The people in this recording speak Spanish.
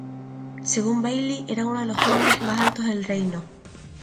Según Bailey, era uno de los hombres más altos del reino.